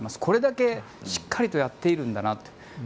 これだけしっかりとやっているんだなと。